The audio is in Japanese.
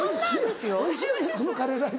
「おいしいよねこのカレーライス」。